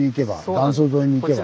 断層沿いに行けば。